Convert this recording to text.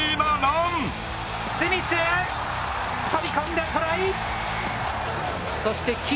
スミス飛び込んでトライ！